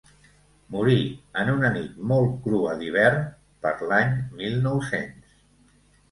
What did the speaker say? Morí en una nit molt crua d’hivern, per l’any mil nou-cents.